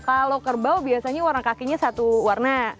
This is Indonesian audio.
kalau kerbau biasanya warna kakinya satu warna